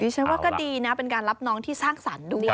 ฉันว่าก็ดีนะเป็นการรับน้องที่สร้างสรรค์ด้วย